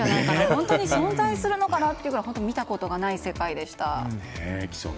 本当に存在するのかというぐらい見たことのない世界でした。